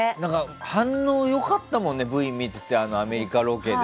反応良かったもんねＶＴＲ見ていて、アメリカロケ。